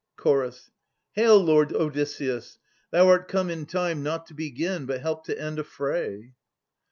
Ch. Hail, Lord Odysseus ! thou art come in time Not to begin, but help to end, a fray.